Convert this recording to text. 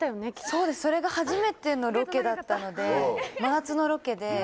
そうですそれが初めてのロケだったので真夏のロケで。